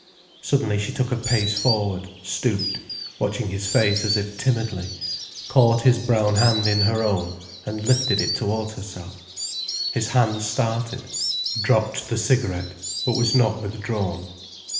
Suddenly she took a pace forward, stooped, watching his face as if timidly, caught his brown hand in her own and lifted it towards herself. His hand started, dropped the cigarette, but was not withdrawn.